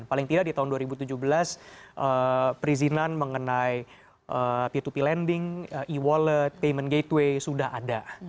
paling tidak di tahun dua ribu tujuh belas perizinan mengenai p dua p lending e wallet payment gateway sudah ada